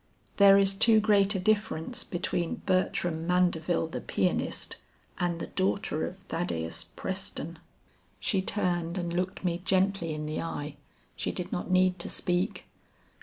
"There is too great a difference between Bertram Mandeville the pianist, and the daughter of Thaddeus Preston." She turned and looked me gently in the eye, she did not need to speak.